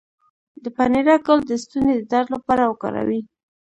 د پنیرک ګل د ستوني د درد لپاره وکاروئ